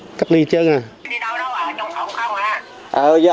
đi đâu đâu ở trong phòng không ạ